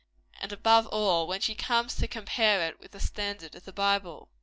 and, above all, when she comes to compare it with the standard of the Bible.